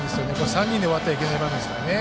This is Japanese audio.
３人で終わってはいけない場面ですからね。